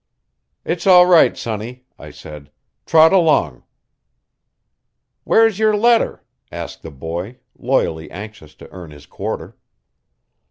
"It's all right, sonny," I said. "Trot along." "Where's yer letter?" asked the boy, loyally anxious to earn his quarter.